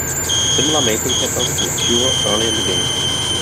Similar mating patterns can occur early in the game.